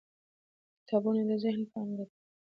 • کتابونه د ذهن پانګه ده.